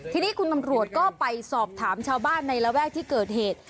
ทีนี้คุณตำรวจก็ไปสอบถามชาวบ้านในระแวกที่เกิดเหตุ